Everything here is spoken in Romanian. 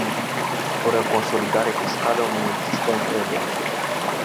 Fără consolidare fiscală nu există încredere.